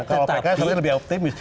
kalau pks lebih optimis